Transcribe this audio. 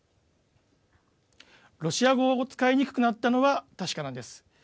ロシア語を使いにくくなったのは確かなんです。